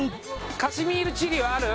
カシミールチリはある？